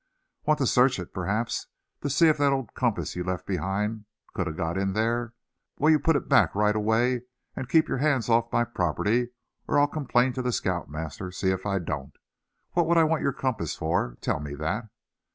Want to search it, perhaps, to see if that old compass you left behind could a got in there? Well, you put it back right away; and keep your hands off my property, or I'll complain to the scout master, see if I don't. What would I want your compass for, tell me that?"